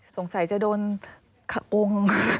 สงสัยจะโดนขักกรุง